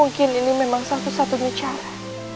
mungkin ini memang satu satunya cara